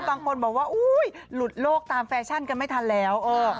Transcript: บางคนบอกว่าอุ๊ยหลุดโลกตามแฟชั่นกันไม่ทันแล้ว